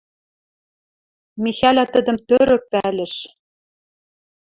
Михӓлӓ тӹдӹм тӧрӧк пӓлӹш.